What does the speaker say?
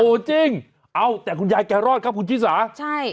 จริงเอาแต่คุณยายแกรอดครับคุณชิสาใช่